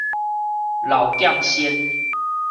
老劍仙